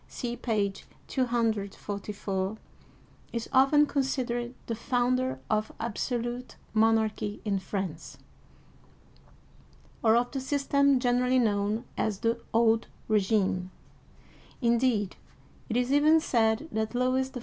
(see page 244), is often considered the founder of absolute monarchy in France, or of the system generally known as the Old Regime; indeed, it is even said that Louis XIV.